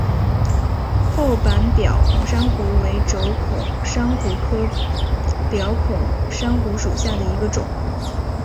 厚板表孔珊瑚为轴孔珊瑚科表孔珊瑚属下的一个种。